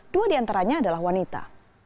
dua diantaranya adalah wanita